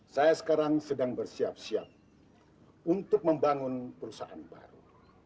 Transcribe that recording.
saya sekarang sedang bersiap siap untuk membangun perusahaan baru